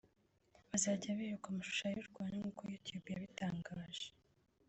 bazajya berekwa amashusho arirwanya nk’uko YouTube yabitangaje